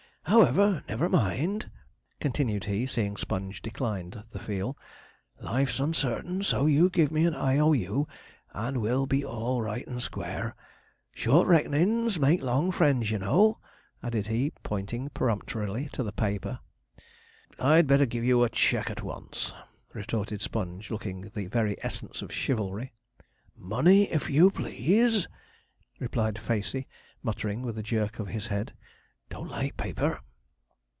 However, never mind,' continued he, seeing Sponge declined the feel. 'Life's uncertain: so you give me an "I.O.U." and we'll be all right and square. Short reckonin's make long friends, you know,' added he, pointing peremptorily to the paper. 'I'd better give you a cheque at once,' retorted Sponge, looking the very essence of chivalry. 'Money, if you please,' replied Facey; muttering, with a jerk of his head, 'don't like paper.'